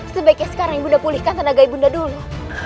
sebaiknya sekarang ibunda pulihkan tenaga ibunda dulu